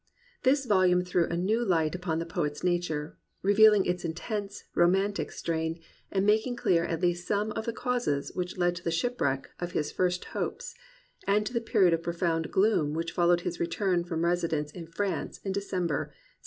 This volume threw a new light upon the poet's nature, reveaHng its intense, romantic strain, and making clear at least some of the causes which led to the shipwreck of his first hopes and to the period of profound gloom which followed his return from residence in France in December 1792.